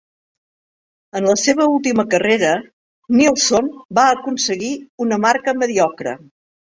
En la seva última carrera, Nilsson va aconseguir una marca mediocre.